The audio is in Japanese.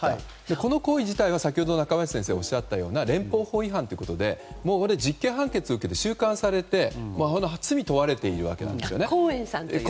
この行為自体は先ほど中林先生がおっしゃったような連邦法違反ということでこれ、実刑判決を受けて収監されて罪に問われているわけなんですよね。